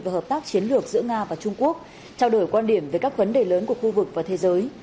và hợp tác chiến lược giữa nga và trung quốc trao đổi quan điểm về các vấn đề lớn của khu vực và thế giới